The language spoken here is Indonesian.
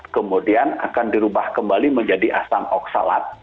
kemudian akan dirubah kembali menjadi asam oksalat